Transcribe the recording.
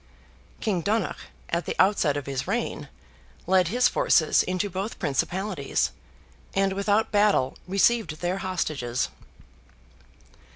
King Donogh, at the outset of his reign, led his forces into both principalities, and without battle received their hostages.